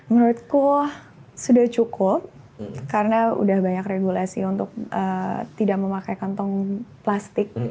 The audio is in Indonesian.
menurutku sudah cukup karena udah banyak regulasi untuk tidak memakai kantong plastik